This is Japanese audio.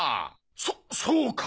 そそうか！